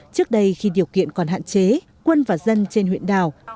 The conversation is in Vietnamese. trước đây khi điều kiện còn hạn chế quân và dân trên huyện đảo